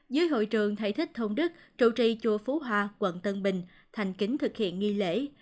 dưới hội trường thầy thích thông đức trụ trì chùa phú hoa quận tân bình thành kính thực hiện nghi lễ